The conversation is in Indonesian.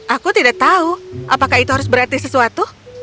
aku tidak tahu apakah itu harus berarti sesuatu